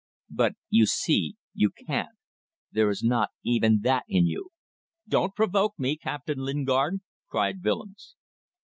"But, you see, you can't. There is not even that in you." "Don't provoke me, Captain Lingard," cried Willems.